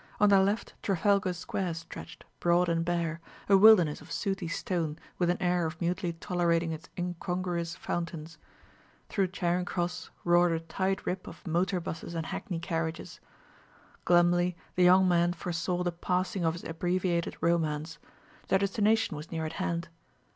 On their left Trafalgar Square stretched, broad and bare, a wilderness of sooty stone with an air of mutely tolerating its incongruous fountains. Through Charing Cross roared a tide rip of motor busses and hackney carriages. Glumly the young man foresaw the passing of his abbreviated romance; their destination was near at hand.